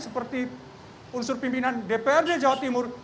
seperti unsur pimpinan dprd jawa timur